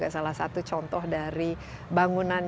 salah satu contoh dari bangunan